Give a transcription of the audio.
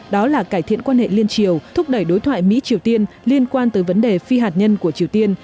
đó là cải thiện quan hệ liên triều thúc đẩy đối thoại mỹ triều tiên liên quan tới vấn đề phi hạt nhân của triều tiên